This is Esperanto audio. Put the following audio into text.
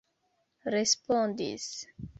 respondis